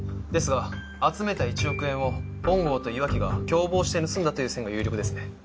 ですが集めた１億円を本郷と岩城が共謀して盗んだという線が有力ですね。